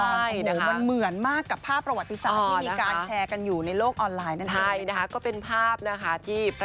มันเหมือนมากกับภาพประวัติศาสตร์